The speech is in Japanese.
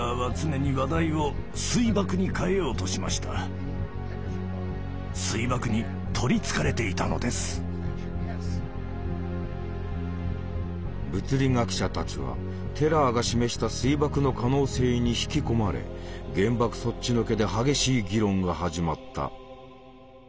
Ｎｕｃｌｅａｒｆｕｓｉｏｎ！物理学者たちはテラーが示した水爆の可能性に引き込まれ原爆そっちのけで激しい議論が始まった。